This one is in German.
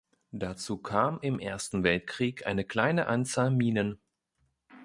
Dazu kam im Ersten Weltkrieg eine kleine Anzahl Minen.